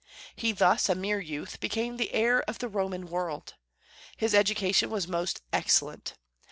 He thus, a mere youth, became the heir of the Roman world. His education was most excellent.